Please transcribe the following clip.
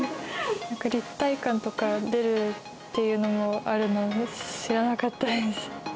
立体感とか出るっていうのもあるのも知らなかったです。